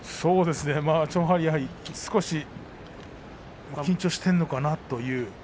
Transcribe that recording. やはり少し緊張しているのかなという。